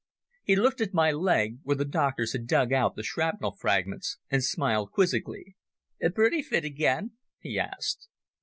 He looked at my leg, where the doctors had dug out the shrapnel fragments, and smiled quizzically. "Pretty fit again?" he asked.